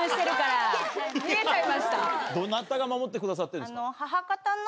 ・どなたが守ってくださってるんですか？